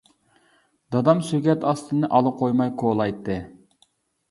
دادام سۆگەت ئاستىنى ئالا قويماي كولايتتى.